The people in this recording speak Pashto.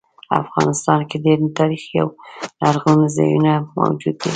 افغانستان کې ډیر تاریخي او لرغوني ځایونه موجود دي